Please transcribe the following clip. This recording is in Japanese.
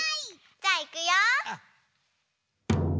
じゃあいくよ。